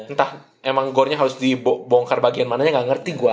entah emang gore nya harus dibongkar bagian mananya gak ngerti gue